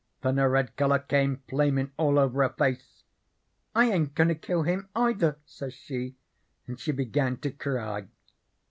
"Then a red colour came flamin' all over her face. 'I ain't goin' to kill him, either,' says she, and she begun to cry.